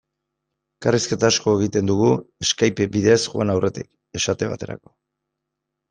Elkarrizketa asko egiten dugu Skype bidez joan aurretik, esate baterako.